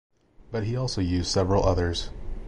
But he also used several others.